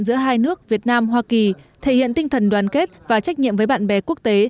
giữa hai nước việt nam hoa kỳ thể hiện tinh thần đoàn kết và trách nhiệm với bạn bè quốc tế